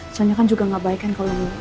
soalnya kan juga gak baik kan kalo